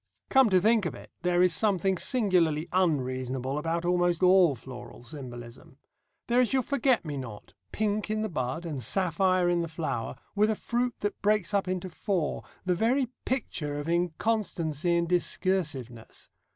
Come to think of it, there is something singularly unreasonable about almost all floral symbolism. There is your forget me not, pink in the bud, and sapphire in the flower, with a fruit that breaks up into four, the very picture of inconstancy and discursiveness.